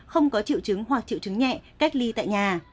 không có triệu chứng hoặc triệu chứng nhẹ cách ly tại nhà